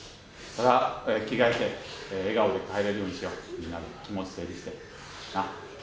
着替えて笑顔で帰れるようにしよう、みんなで気持ち整理して、な。